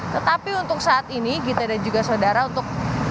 tetapi untuk saat ini gita dan juga saudara untuk